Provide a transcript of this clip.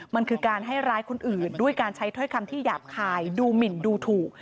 มันคือการให้ร้ายคนอื่นด้วยการใช้ถ้อยคำที่หยาบคายดูหมินดูถูก